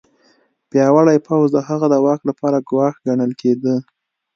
پیاوړی پوځ د هغه د واک لپاره ګواښ ګڼل کېده.